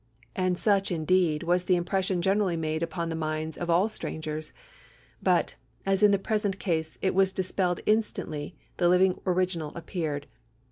And such, indeed, was the impression generally made on the minds of all strangers but, as in the present case, it was dispelled instantly the living original appeared.